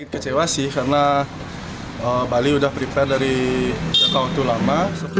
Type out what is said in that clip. kecewa sih karena bali udah prepare dari jauh jauh lama